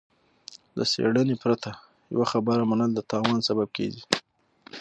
له څېړنې پرته يوه خبره منل د تاوان سبب کېږي.